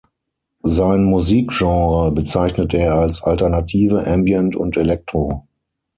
Sein Musikgenre bezeichnet er als Alternative, Ambient und Electro.